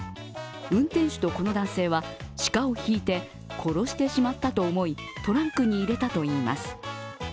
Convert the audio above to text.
運転手とこの男性は、鹿をひいて殺してしまったと思いトランクに入れたといいます。